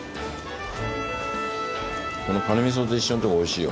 このカニみそと一緒のとこおいしいよ。